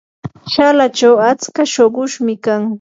chalachaw atsa shuqushmi kan.